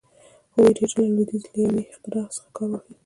هغوی ډېر ژر له لوېدیځ له یوې اختراع څخه کار واخیست.